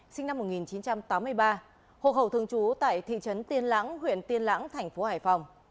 sinh năm một nghìn chín trăm tám mươi ba hộp hầu thường trú tại thị trấn tiên lãng huyện tiên lãng tp hải phòng